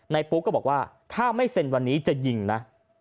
ปุ๊กก็บอกว่าถ้าไม่เซ็นวันนี้จะยิงนะ